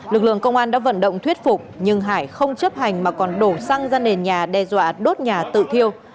lực lượng công an đã vận động thuyết phục nhưng hải không chấp hành mà còn đổ xăng ra nền nhà đe dọa đốt nhà tự thiêu